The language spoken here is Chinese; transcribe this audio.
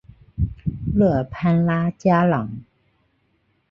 勒潘拉加朗。